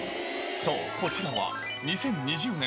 そう、こちらは２０２０年